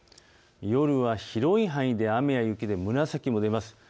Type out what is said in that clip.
夜は広い範囲で雨や雪で紫もあります。